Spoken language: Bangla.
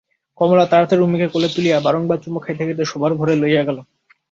কমলা তাড়াতাড়ি উমিকে কোলে তুলিয়া বারংবার চুমো খাইতে খাইতে শোবার ঘরে লইয়া গেল।